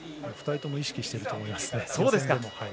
２人とも意識してると思いますね。